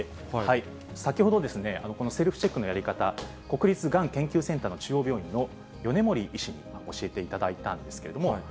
先ほど、セルフチェックのやり方、国立がん研究センターの中央病院の米盛医師に教えていただいたんですけれども。